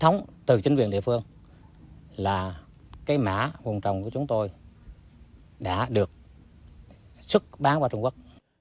thông tin chính thống từ chính quyền địa phương là cái mã vùng trồng của chúng tôi đã được xuất bán qua trung quốc